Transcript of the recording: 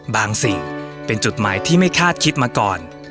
สิ่งเป็นจุดหมายที่ไม่คาดคิดมาก่อน